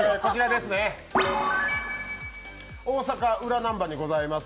大阪・裏なんばにございます